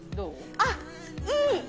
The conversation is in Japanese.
あっ、いい。